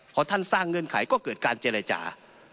เพราะท่านสร้างเงินไขก็เกิดการเจรจา